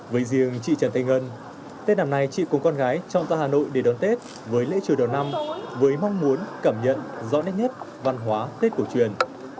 với riêng chị trần thanh ngân tết năm nay chị cùng con gái chọn ra hà nội để đón tết với lễ chùa đầu năm với mong muốn cảm nhận rõ nét nhất văn hóa tết cổ truyền